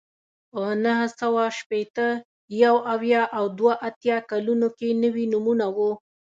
په نهه سوه شپېته، یو اویا او دوه اتیا کلونو کې نوي نومونه وو